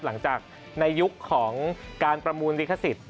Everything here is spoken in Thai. หลังจากในยุคของการประมูลลิขสิทธิ